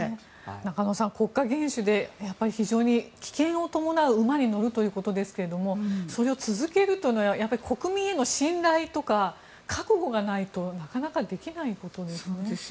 中野さん国家元首で危険を伴う馬に乗るということですがそれを続けるというのはやっぱり国民への信頼とか覚悟がないとなかなかできないことですよね。